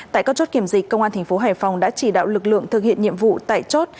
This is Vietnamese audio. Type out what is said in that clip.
tại các chốt kiểm dịch công an thành phố hải phòng đã chỉ đạo lực lượng thực hiện nhiệm vụ tại chốt